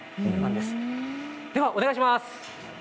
では、お願いします。